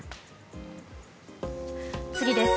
次です。